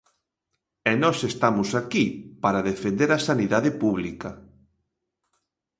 E nós estamos aquí para defender a sanidade pública.